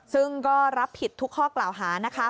ซึ่งก็รับผิดทุกข้อกล่าวหานะคะ